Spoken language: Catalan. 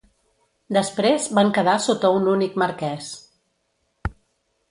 Després van quedar sota un únic marquès.